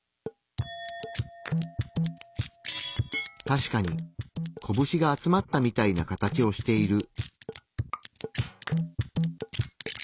確かにこぶしが集まったみたいな形をしている。